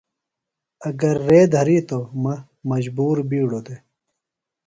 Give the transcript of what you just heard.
اگر رے دھریتوۡ مہ مجبور بیڈُوۡ دےۡ۔